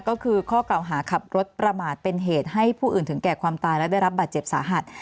ก็คือข้อกล่าวหาขับรถประมาทเป็นเหตุให้ผู้อื่นถึงแก่ความตายและได้รับบาดเจ็บสาหัส